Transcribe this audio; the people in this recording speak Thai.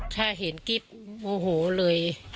ถ้าเห็นกิฟต์โอ้โหเลย